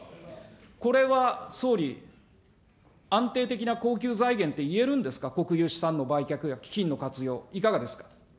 これは、総理、安定的な恒久財源っていえるんですか、国有資産の売却や基金の活用、いかがですか。